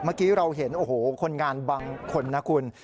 เมื่อกี้เราเห็นโอ้โหคนงานบางคนนะคุณ